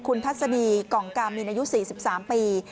คุณทัศนีกล่องกามินอายุ๔๓ปี